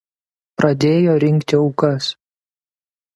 Pradėjo rinkti aukas.